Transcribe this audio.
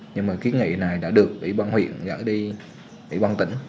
nhưng mà ký nghị này đã được ủy ban huyện dẫn đi ủy ban tỉnh